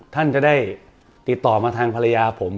ท่านจะได้ติดต่อมาทางภรรยาผม